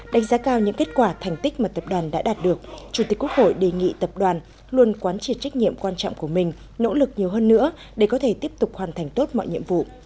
đánh giá cao những kết quả thành tích mà tập đoàn đã đạt được chủ tịch quốc hội đề nghị tập đoàn luôn quán triệt trách nhiệm quan trọng của mình nỗ lực nhiều hơn nữa để có thể tiếp tục hoàn thành tốt mọi nhiệm vụ